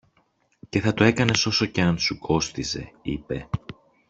και θα το έκανες όσο και αν σου κόστιζε, είπε.